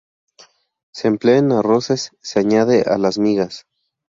Se emplea en arroces, se añade a las migas.